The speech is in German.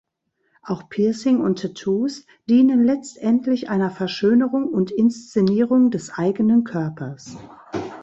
Auch Piercing und Tattoos dienen letztendlich einer Verschönerung und Inszenierung des eigenen Körpers.